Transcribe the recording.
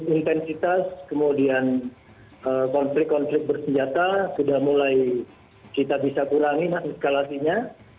intensitas kemudian konflik konflik bersenjata sudah mulai kita bisa kurangi mas eskalasinya